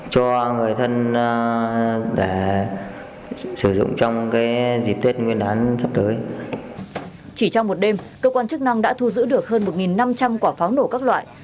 chỉ trong một đêm cơ quan chức năng đã thu giữ được hơn một năm trăm linh quả pháo nổ các loại